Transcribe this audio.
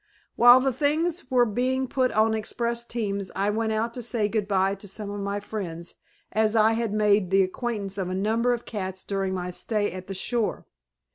While the things were being put on express teams I went out to say good by to some of my friends, as I had made the acquaintance of a number of cats during my stay at the shore.